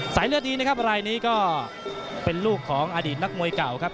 เลือดนี้นะครับรายนี้ก็เป็นลูกของอดีตนักมวยเก่าครับ